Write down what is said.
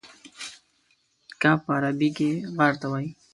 کهف په عربي کې غار ته وایي.